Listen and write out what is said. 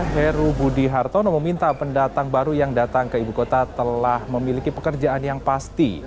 heru budi hartono meminta pendatang baru yang datang ke ibu kota telah memiliki pekerjaan yang pasti